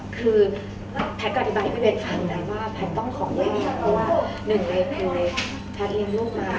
คุณเป็นผู้ชายหนึ่งคนกับเราของคุณ